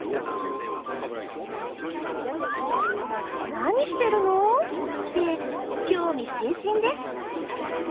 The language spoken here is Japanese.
「何してるの？」って興味津々です。